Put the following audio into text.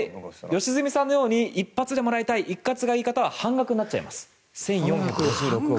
良純さんのように一発でもらいたい一括でもらう方は半額になっちゃいます。